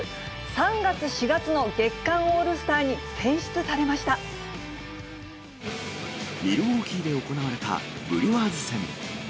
３月、４月の月間オールスターにミルウォーキーで行われたブリュワーズ戦。